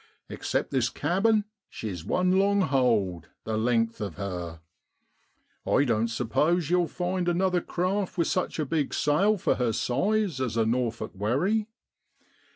Except this cabin, she's one long hold the length of her. I don't suppose yow'll find any other craft with such a big sail for her size as a Norfolk wherry.